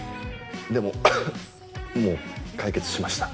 でももう解決しました。